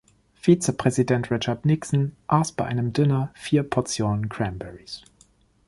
Vizepräsident Richard Nixon aß bei einem Dinner vier Portionen Cranberries.